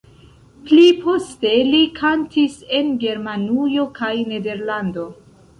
Pli poste li kantis en Germanujo kaj Nederlando.